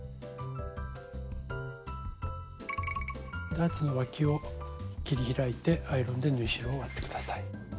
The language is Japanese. ダーツのわを切り開いてアイロンで縫い代を割って下さい。